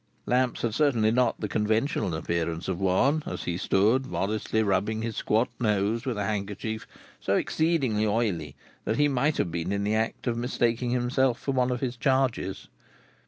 Lamps had certainly not the conventional appearance of one, as he stood modestly rubbing his squab nose with a handkerchief so exceedingly oily, that he might have been in the act of mistaking himself for one of his charges.